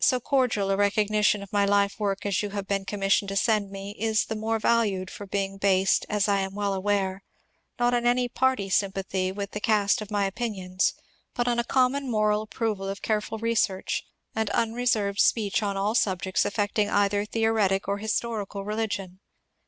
So cordial a recognition of my life work as you have been commissioned to send me is the more valued for being based, as I am well aware, not on any party sympathy with the cast of my opinions, but on a common moral approval of careful research and unreserved speech on all subjects affecting either theoretic or historical religion.